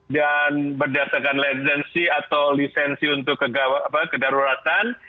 dan berdasarkan lisensi atau lisensi untuk kedaruratan